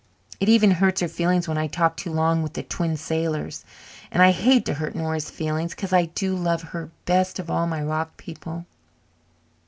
It even hurts her feelings when I talk too long with the Twin Sailors. And I hate to hurt Nora's feelings, because I do love her best of all my rock people."